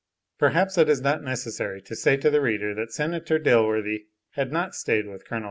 Perhaps it is unnecessary to say to the reader that Senator Dilworthy had not stayed with Col.